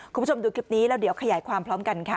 คุณผู้ชมดูคลิปนี้แล้วเดี๋ยวขยายความพร้อมกันค่ะ